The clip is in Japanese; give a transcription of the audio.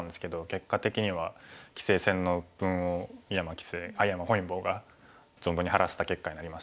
結果的には棋聖戦の鬱憤を井山本因坊が存分に晴らした結果になりましたね。